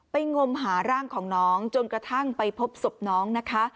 งมหาร่างของน้องจนกระทั่งไปพบศพน้องนะคะ